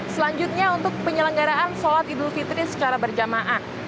selanjutnya untuk penyelenggaraan sholat idul fitri secara berjamaah